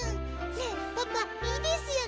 ねえパパいいですよね？